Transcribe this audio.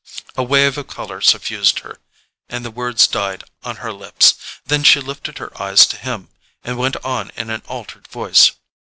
A wave of colour suffused her, and the words died on her lips. Then she lifted her eyes to his and went on in an altered voice.